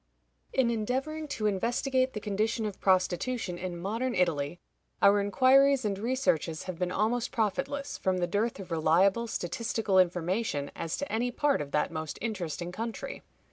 In endeavoring to investigate the condition of prostitution in modern Italy, our inquiries and researches have been almost profitless, from the dearth of reliable statistical information as to any part of that most interesting country.